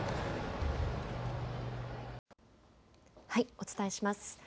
お伝えします。